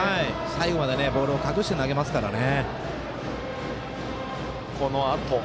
最後までボールを隠して投げますからね。